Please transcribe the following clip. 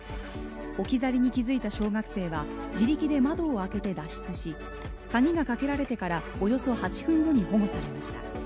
置き去りに気づいた小学生は自力で窓を開けて脱出し鍵がかけられてからおよそ８分後に保護されました。